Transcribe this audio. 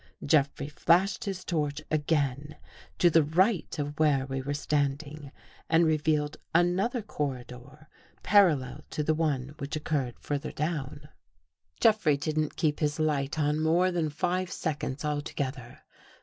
Jeffrey flashed his torch again to the right of where we were standing and revealed another corridor parallel to the one which occurred further down. 219 THE GHOST GIRL Jeffrey didn't keep his light on more than five seconds altogether.